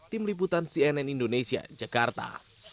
tim liputan cnn indonesia jakarta